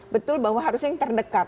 betul bahwa harusnya yang terdekat